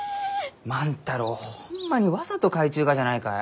万太郎ホンマにわざと描いちゅうがじゃないかえ？